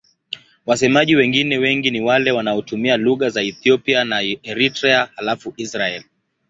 Wasemaji wengine wengi ni wale wanaotumia lugha za Ethiopia na Eritrea halafu Israel.